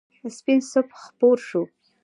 سپین صبح خپور شو.